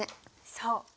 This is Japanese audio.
そう。